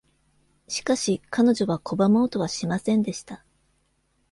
しかし彼女は拒もうとはしませんでした。